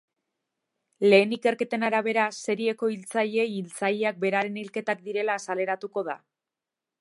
Lehen ikerketen arabera, Serieko-hiltzaileei hiltzaileak beraren hilketak direla azaleratuko da.